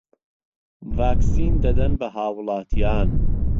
ڤاکسین دەدەن بە هاووڵاتیان